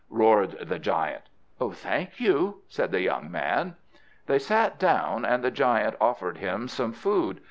roared the giant. "Thank you," said the young man. They sat down, and the giant offered him some food.